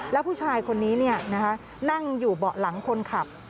แล้วผู้ชายคนนี้นั่งอยู่เบาะหลังคนขับ